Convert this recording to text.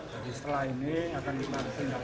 jadi setelah ini akan kita tinggal lanjuti